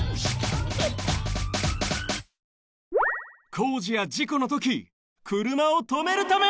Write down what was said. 工事や事故のときくるまをとめるため！